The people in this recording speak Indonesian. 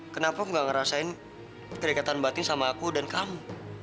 kenapa gak ngerasain keikatan batin sama aku dan kamu